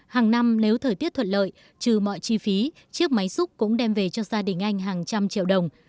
hàng năm nếu thời tiết thuận lợi trừ mọi chi phí chiếc máy xúc cũng đem về cho gia đình anh hàng trăm triệu đồng